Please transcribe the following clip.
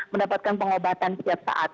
mendapatkan pengobatan setiap saat